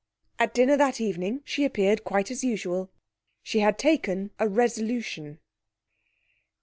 At dinner that evening she appeared quite as usual. She had taken a resolution.